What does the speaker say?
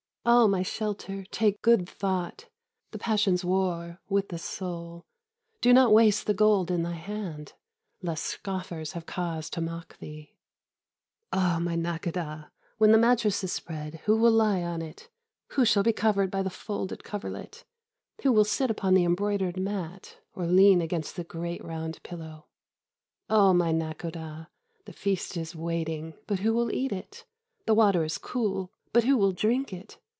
Oh, my shelter! take good thought, The passions war with the soul. Do not waste the gold in thy hand, Lest scoffers have cause to mock thee. Oh, my Nakhôdah! when the mattress is spread, who will lie on it? Who shall be covered by the folded coverlet? Who will sit upon the embroidered mat, Or lean against the great round pillow? Oh, my Nakhôdah! the feast is waiting, but who will eat it? The water is cool, but who will drink it?